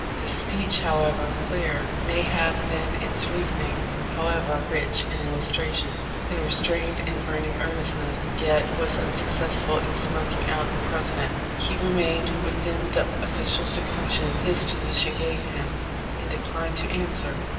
This speech, however clear may have been its reasoning, however rich in illustration, in restrained and burning earnestness, yet was unsuccessful in "smoking out" the President. He remained within the of ficial seclusion his position gave him, and declined to answer.